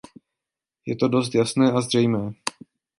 Je to dost jasné a zřejmé.